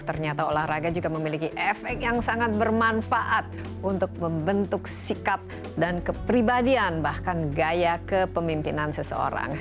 ternyata olahraga juga memiliki efek yang sangat bermanfaat untuk membentuk sikap dan kepribadian bahkan gaya kepemimpinan seseorang